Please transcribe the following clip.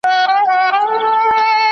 کېدای سي کالي ګنده وي،